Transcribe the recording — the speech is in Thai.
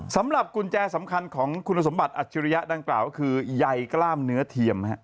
สำหรับกุญแจสำคัญของคุณสมบัติอัจฉริยะดังกล่าวก็คือใยกล้ามเนื้อเทียม